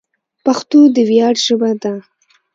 پښتو د ویاړ ژبه ده.